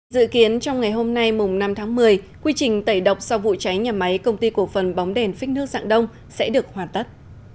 dự kiến trong ngày hôm nay mùng năm tháng một mươi quy trình tẩy độc sau vụ cháy nhà máy công ty cổ phần bóng đèn phích nước dạng đông sẽ được hoàn tất